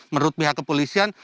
menurut pihak kepolisian